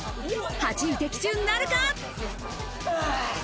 ８位的中なるか？